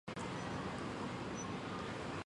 其主要用户为北京地铁。